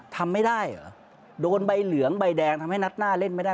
ทำไม่ได้เหรอโดนใบเหลืองใบแดงทำให้นัดหน้าเล่นไม่ได้